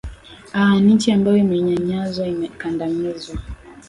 aa nchi ambayo imenyanyazwa imakandamizwa